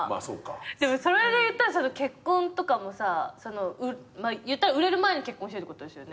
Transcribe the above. でもそれでいったら結婚とかもさいったら売れる前に結婚してるってことですよね？